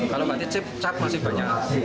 kalau batik cip cap masih banyak